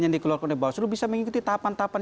yang dikeluarkan oleh bawaslu bisa mengikuti tahapan tahapan